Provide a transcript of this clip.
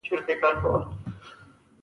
انسان ضعیف کیږي او ترحم پکې پیدا کیږي